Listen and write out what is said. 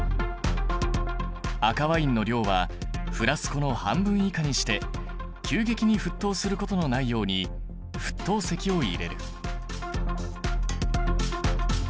赤ワインの量はフラスコの半分以下にして急激に沸騰することのないように沸騰石を入れる。